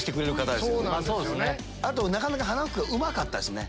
あとなかなか鼻フックがうまかったっすね。